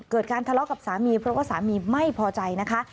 เกิดการทะเลาะกับสามีเพราะว่าสามีไม่พอใจนะคะ